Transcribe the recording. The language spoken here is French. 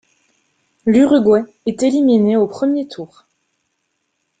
L’Uruguay est éliminé au premier tour.